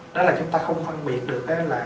đó là chúng ta không phân biệt được là